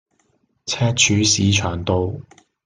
赤柱市場道